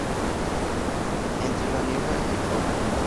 Entre la niebla y el polvo".